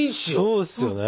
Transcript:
そうっすよね。